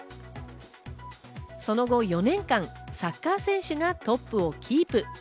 その後４年間、サッカー選手がトップをキープ。